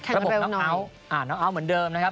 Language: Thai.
แข่งกันเร็วน้อยและน้องอัลเหมือนเดิมนะครับ